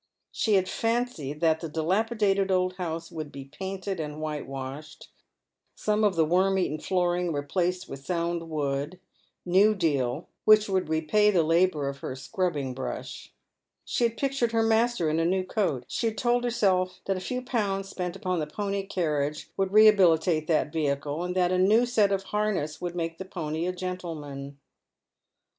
She had fancied that the dilapidated old house would be painted and whitewashed, some of the v/orm eaten flooring replaced with sound woo<:l — new deal — which would repay the labour of her scrubbing brush. She had pictured her master in a new coat. She had told herself tliat a few pounds spent upon the pony carriage would rehabilitate that vehicle, and that a new set of harness would make the pony a gentleman.